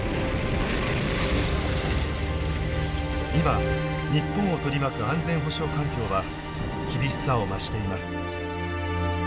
今日本を取り巻く安全保障環境は厳しさを増しています。